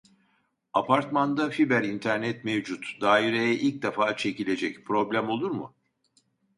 Apartmanda fiber İnternet mevcut daireye ilk defa çekilecek problem olur mu